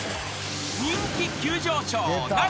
［人気急上昇］